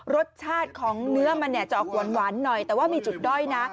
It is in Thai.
รสชาติของเนื้อมันเนี่ยจะออกหวานหน่อยแต่ว่ามีจุดด้อยนะ